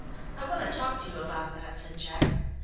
I want to talk to you about that," said Jack.